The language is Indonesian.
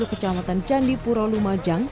kecamatan candi pura lumajang